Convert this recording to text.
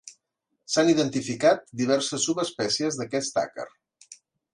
S'han identificat diverses subespècies d'aquest àcar.